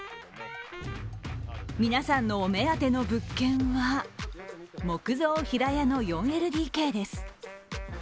皆さんのお目当ての物件は木造平屋の４ＬＤＫです。